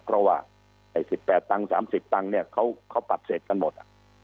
เพราะว่า๑๘๓๐ตังค์เนี่ยเขาปรับเสร็จกันหมด